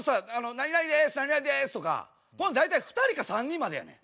「何々です」とかこれ大体２人か３人までやねん。